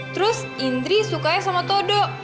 terus indri sukanya sama todo